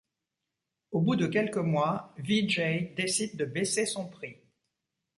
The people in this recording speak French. Au bout de quelques mois, Vee-Jay décide de baisser son prix.